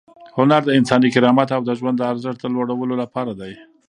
هنر د انساني کرامت او د ژوند د ارزښت د لوړولو لپاره دی.